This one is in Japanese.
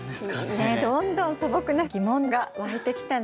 いいねどんどん素朴な疑問が湧いてきたね。